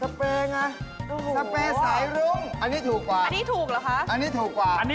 เฮ้ยครูได้เรียนอะไรที่ด้านนาน